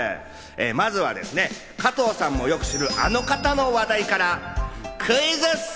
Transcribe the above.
まずは加藤さんもよく知るあの方の話題からクイズッス。